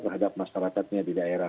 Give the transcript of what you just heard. terhadap masyarakatnya di daerah